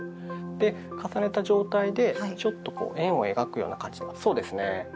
で重ねた状態でちょっとこう円を描くような感じそうですね。